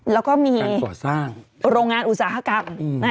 แล้วก็มีโรงงานอุตสาหกรรม